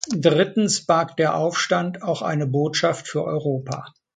Drittens barg der Aufstand auch eine Botschaft für Europa.